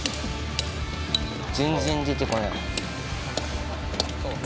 全然出てこない。